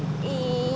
mas pur mau